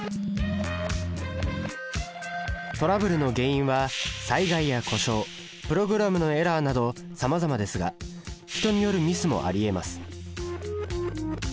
トラブルの原因は災害や故障プログラムのエラーなどさまざまですが人によるミスもありえます